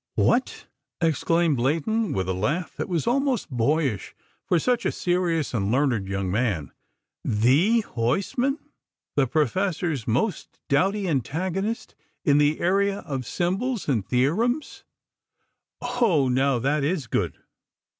"What!" exclaimed Leighton, with a laugh that was almost boyish for such a serious and learned young man. "The Huysman: the Professor's most doughty antagonist in the arena of symbols and theorems? Oh, now that is good!"